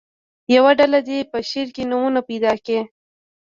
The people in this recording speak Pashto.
یوه ډله دې په شعر کې نومونه پیدا کړي.